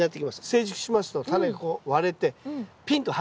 成熟しますとタネがこう割れてピンとはじけます。